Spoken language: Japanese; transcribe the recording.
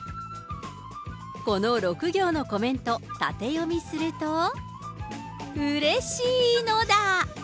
この６行のコメント、縦読みすると、うれしいのだ。